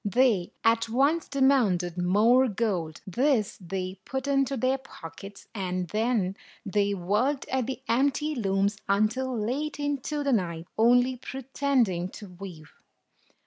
They at once demanded more gold. This they put into their pockets ; and then they worked at the empty looms until late into the night, only pretending to weave.